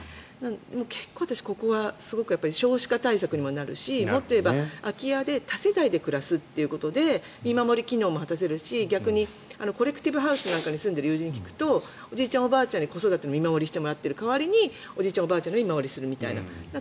結構私、ここは少子化対策にもなるしもっと言えば空き家で多世帯で暮らすことで見守り機能も果たせるし逆にコレクティブハウスなんかに住んでる友人に聞くとおじいちゃんおばあちゃんに子育ての見守りをしてもらっている代わりにこちらも見守りをするという。